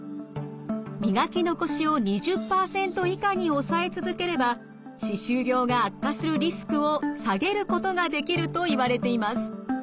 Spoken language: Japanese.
磨き残しを２０％以下に抑え続ければ歯周病が悪化するリスクを下げることができるといわれています。